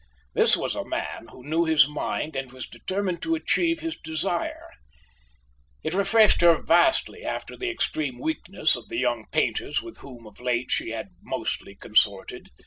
This was a man who knew his mind and was determined to achieve his desire; it refreshed her vastly after the extreme weakness of the young painters with whom of late she had mostly consorted.